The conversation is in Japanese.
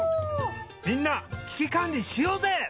みんなききかんりしようぜ！